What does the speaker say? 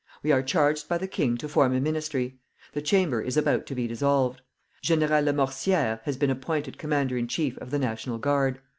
We are charged by the king to form a ministry. The Chamber is about to be dissolved. General Lamoricière has been appointed Commander in Chief of the National Guard.